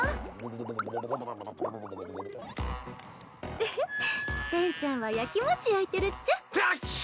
ウフテンちゃんは焼きもちやいてるっちゃ。